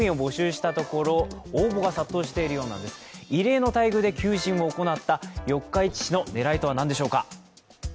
異例の待遇で求人を行った四日市市の狙いとは何でしょうか。